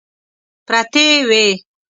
پرتې وې.